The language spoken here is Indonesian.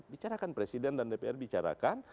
bicarakan presiden dan dpr bicarakan